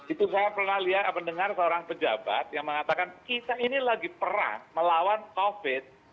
itu saya pernah lihat mendengar seorang pejabat yang mengatakan kita ini lagi perang melawan covid